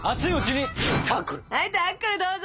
はいタックルどうぞ！